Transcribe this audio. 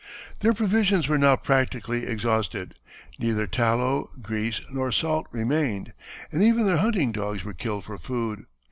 Their provisions were now practically exhausted; neither tallow, grease, nor salt remained, and even their hunting dogs were killed for food.